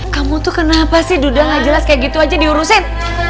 kamu tuh kenapa sih duda nggak jelas kaya gitu aja diurusin